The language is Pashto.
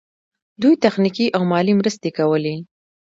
دوی تخنیکي او مالي مرستې کولې.